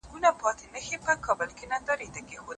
تاسي به په راتلونکي کي د خپل ژوند توازن مراعات کړئ.